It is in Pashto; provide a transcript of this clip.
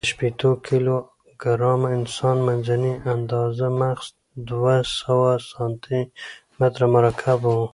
د شپېتو کیلو ګرامه انسان، منځنۍ آندازه مغز دوهسوه سانتي متر مکعب و.